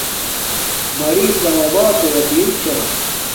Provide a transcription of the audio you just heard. میری اسلام ابات تو آسیر چھا